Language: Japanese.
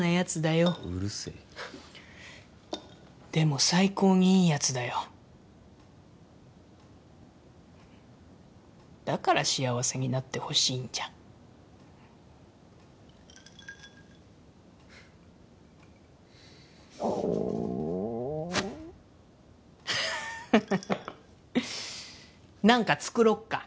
ようるせえでも最高にいいやつだよだから幸せになってほしいんじゃん何か作ろっか？